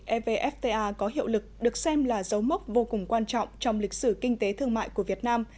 evfta có hiệu lực được xem là dấu mốc vô cùng quan trọng trong lịch sử kinh tế thương mại của việt nam